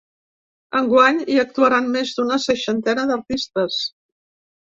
Enguany, hi actuaran més d’una seixantena d’artistes.